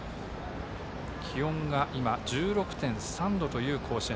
気温が今、１６．３度という甲子園。